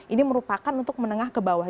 ini merupakan untuk menengah ke bawah